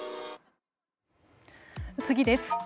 次です。